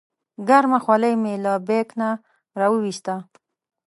ګرمه خولۍ مې له بیک نه راوویسته.